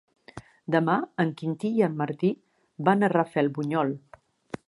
Demà en Quintí i en Martí van a Rafelbunyol.